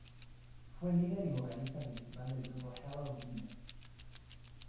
Fue líder y vocalista principal del grupo Hello Venus.